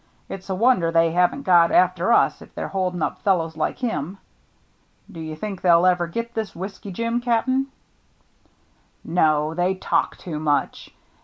It's a wonder they haven't got after us if they're holding up fel lows like him. Do you think they'll ever get this Whiskey Jim, Cap'n ?"" No, they talk too much.